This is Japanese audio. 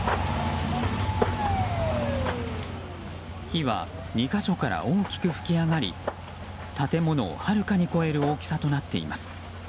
火は２か所から大きく噴き上がり建物をはるかに超える大きさとなっています。